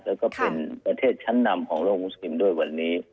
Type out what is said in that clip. แล้วก็เป็นประเทศชั้นนำของโลกมุสกิมด้วยวันนี้